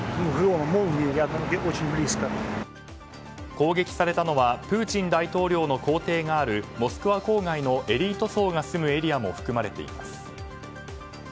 攻撃されたのはプーチン大統領の公邸があるモスクワ郊外のエリート層が住むエリアも含まれています。